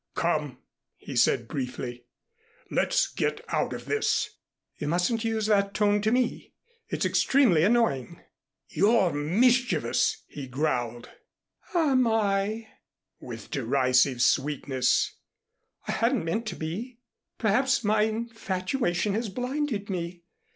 "Come," he said briefly, "let's get out of this." "You mustn't use that tone to me. It's extremely annoying." "You're mischievous," he growled. "Am I?" with derisive sweetness. "I hadn't meant to be. Perhaps my infatuation has blinded me.